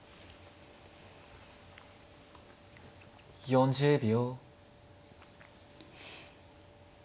４０秒。